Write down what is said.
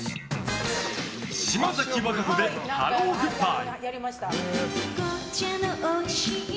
島崎和歌子で「ハロー・グッバイ」。